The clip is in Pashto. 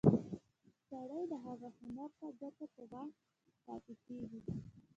سړی د هغه هنر ته ګوته په غاښ پاتې کېږي.